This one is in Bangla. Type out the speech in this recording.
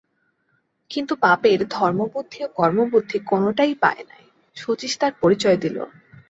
কিন্তু বাপের ধর্মবুদ্ধি ও কর্মবুদ্ধি কোনোটাই পায় নাই, শচীশ তার পরিচয় দিল।